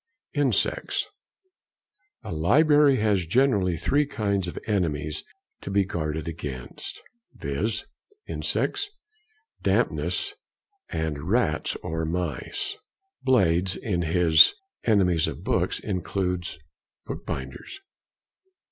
Insects.—A library has generally three kinds of enemies to be guarded against, viz.: insects, dampness, and rats or mice. Blades, in his "Enemies of Books," includes bookbinders.